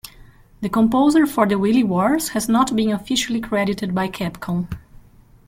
The composer for the "Wily Wars" has not been officially credited by Capcom.